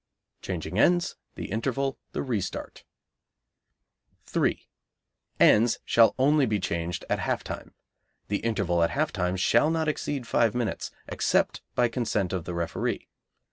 Changing Ends. The Interval. The Re start. 3. Ends shall only be changed at half time. The interval at half time shall not exceed five minutes, except by consent of the referee.